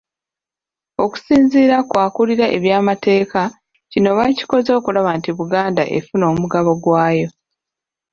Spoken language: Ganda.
Okusinziira ku akulira ebyamateeka kino bakikoze okulaba nti Buganda efuna omugabo gw'ayo.